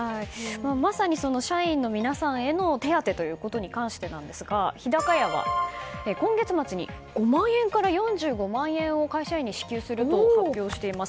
まさに、その社員の皆様への手当ということに関して日高屋は今月末に５万円から４５万円を会社員に支給すると発表しています。